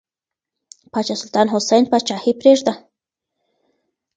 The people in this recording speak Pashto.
پاچا سلطان حسین پاچاهي پرېږده.